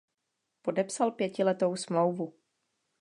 Podepsal pětiletou smlouvu.